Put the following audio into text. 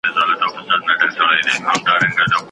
ډاکټرانو په لیري پرتو سیمو کي میرمنو ته خدمت کاوه.